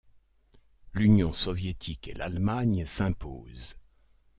L'Union soviétique et l'Allemagne s'imposent.